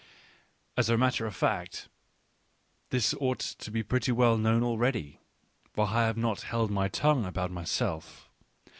As a matter of fact, this ought to be pretty well known already, for I have not " held my tongue " about myself.